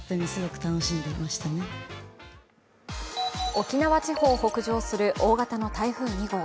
沖縄地方を北上する大型の台風２号。